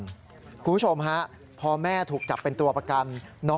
คุณผู้ชมฮะพอแม่ถูกจับเป็นตัวประกัน